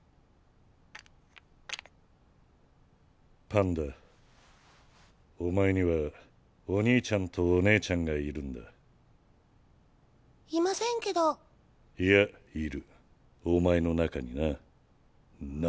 パンダお前にはお兄ちゃんとお姉ちゃんがいるんだいませんけどいやいるお前の中にななんで敬語だ？